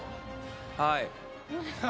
はい。